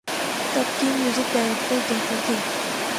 تب کے music director کہتے تھے۔